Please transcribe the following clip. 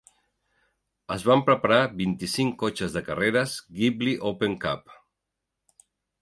Es van preparar vint-i-cinc cotxes de carreres Ghibli Open Cup.